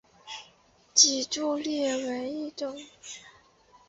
脊柱裂为一种。